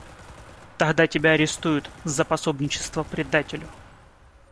Тогда тебя арестуют за пособничество предателю.